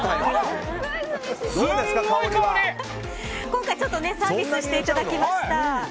今回ちょっとサービスしていただきました。